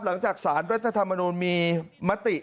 หลังจากสารรัฐธรรมนูลมีมติ